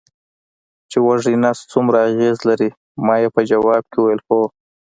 چې وږی نس څومره اغېز لري، ما یې په ځواب کې وویل: هو.